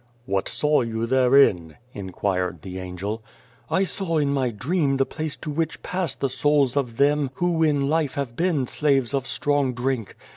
"What saw you therein?" inquired the Angel. " I saw in my dream the place to which pass the souls of them who in life have been slaves of strong drink.